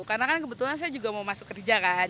karena kan kebetulan saya juga mau masuk kerja kan